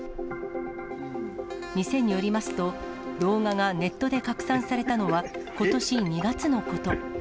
店によりますと、動画がネットで拡散されたのは、ことし２月のこと。